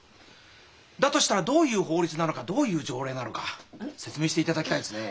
だとしたらどういう法律なのかどういう条例なのか説明していただきたいですね。